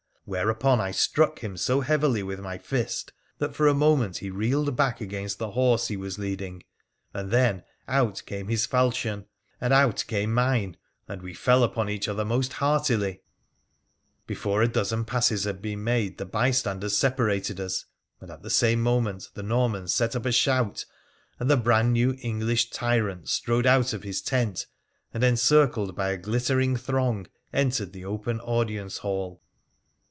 Whereupon I struck him so heavily with my fist that, for a minute, he reeled back against the horse he was leading, and then out came his falchion, and out came mine, and we fell upon each other most heartily. But before a dozen passes had been made the bystanders separated us, and at the same moment the Normans get up a 74 WONDERFUL ADVENTURES OF shout, and the brand new English tyrant strode out of his tent, and, encircled by a glittering throng, entered the open audience hall.